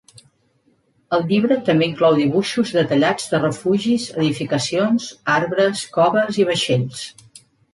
El llibre també inclou dibuixos detallats de refugis, edificacions, arbres, coves i vaixells.